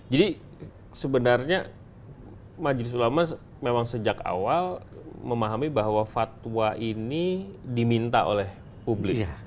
jadi sebenarnya majelis ulama memang sejak awal memahami bahwa fatwa ini diminta oleh publik